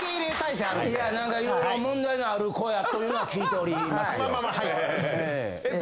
いや何か色々問題のある子やというのは聞いておりますよええ。